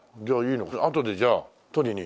あとでじゃあ取りに。